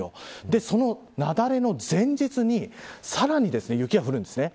その雪崩の前日にさらに雪が降るんです。